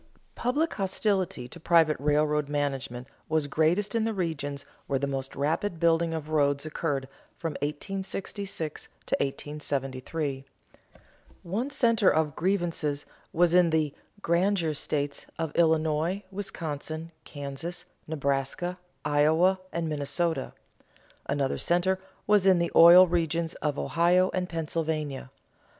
_ Public hostility to private railroad management was greatest in the regions where the most rapid building of roads occurred from 1866 to 1873. One center of grievances was in "the granger states" of Illinois, Wisconsin, Kansas, Nebraska, Iowa, and Minnesota; another center was in the oil regions of Ohio and Pennsylvania.